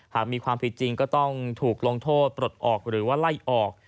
หากมีความผิดจริงก็ต้องถูกลงโทษปลดออกหรือว่าไล่ออก